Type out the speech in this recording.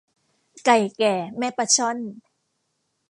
ไก่แก่แม่ปลาช่อน